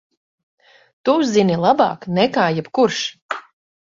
Tu zini labāk nekā jebkurš!